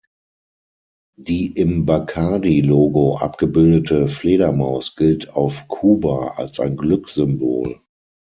Die im Bacardi Logo abgebildete Fledermaus gilt auf Kuba als ein Glückssymbol.